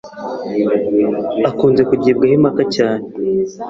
akunze kugibwaho impaka cyane